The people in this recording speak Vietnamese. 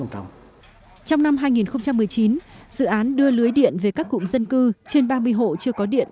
trong năm hai nghìn một mươi chín dự án đưa lưới điện về các cụm dân cư trên ba mươi hộ chưa có điện